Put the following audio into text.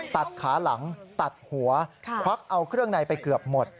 ตัดขาหลังตัดหัวควักเอาเครื่องในไปเกือบหมด